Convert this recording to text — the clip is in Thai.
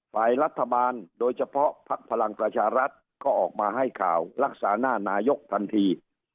ฝ่ายรัฐบาลโดยเฉพาะพักพลังประชารัฐก็ออกมาให้ข่าวรักษาหน้านายกทันที